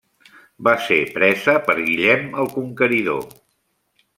Va ser presa per Guillem el Conqueridor.